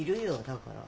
だから。